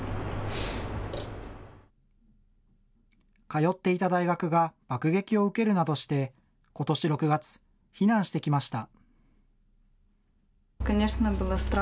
通っていた大学が爆撃を受けるなどして、ことし６月、避難してきました。